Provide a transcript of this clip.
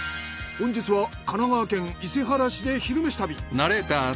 本日は神奈川県伊勢原市で「昼めし旅」。